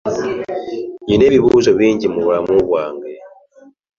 Nina ebibuuzo bingi mu bulamu bwange.